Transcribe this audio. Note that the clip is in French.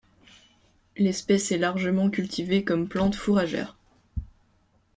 L'espèce est largement cultivée comme plante fourragère.